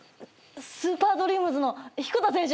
スーパードリームズのヒコタ選手！